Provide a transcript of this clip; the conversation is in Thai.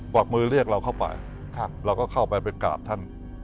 วักมือเรียกเราเข้าไปเราก็เข้าไปไปกราบท่าน